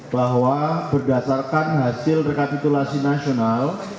bahwa berdasarkan hasil rekapitulasi nasional